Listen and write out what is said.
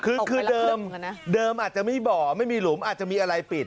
คือเดิมอาจจะมีบ่อไม่มีหลุมอาจจะมีอะไรปิด